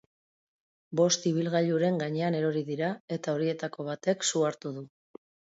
Bost ibilgailuren gainean erori dira, eta horietako batek su hartu du.